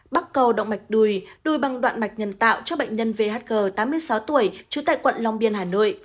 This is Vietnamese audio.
bắt cầu động mạch đùi đuôi băng đoạn mạch nhân tạo cho bệnh nhân vhg tám mươi sáu tuổi trú tại quận long biên hà nội